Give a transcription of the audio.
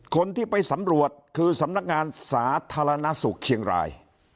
คนที่ไปสำรวจคือสำนักงานสาธารณสุขเชียงราย